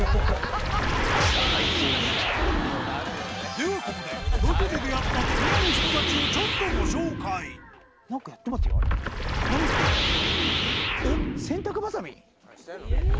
ではここでロケで出会った気になる人たちをちょっとご紹介何やってるんだろう？